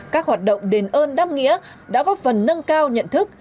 các hoạt động đền ơn đam nghĩa đã góp phần nâng cao nhận thức